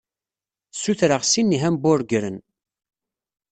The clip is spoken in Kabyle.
Ssutreɣ sin n yihamburgren.